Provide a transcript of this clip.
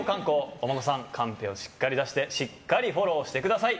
お孫さんカンペをしっかり出してしっかりフォローしてください。